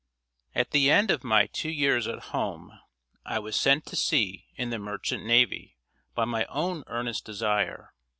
At the end of my two years at home I was sent to sea in the merchant navy by my own earnest desire.